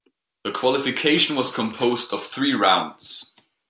The qualification was composed of three rounds.